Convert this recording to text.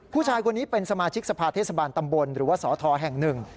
ผู้ชายคนนี้เป็นสมาชิกสภาเทศบาลตำบลหรือว่าสอทแห่งหนึ่ง